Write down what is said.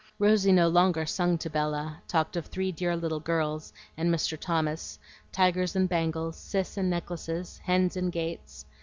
Rosy no longer sung to Bella, talked of "three dear little girls" and Mr. Thomas, tigers and bangles, Cis and necklaces, hens and gates.